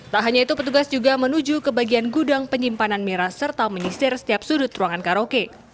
tak hanya itu petugas juga menuju ke bagian gudang penyimpanan miras serta menyisir setiap sudut ruangan karaoke